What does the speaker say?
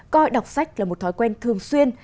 coi đọc sách là một thói quen thường xuyên